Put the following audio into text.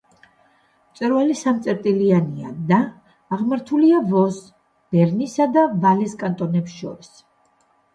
მწვერვალი სამწერტილიანია და აღმართულია ვოს, ბერნისა და ვალეს კანტონებს შორის.